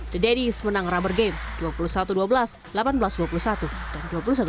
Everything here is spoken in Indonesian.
the daddies menang rubber game dua puluh satu dua belas delapan belas dua puluh satu dan dua puluh satu dua belas